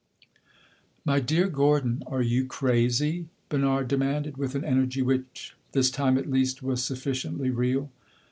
"My dear Gordon, are you crazy?" Bernard demanded, with an energy which, this time at least, was sufficiently real.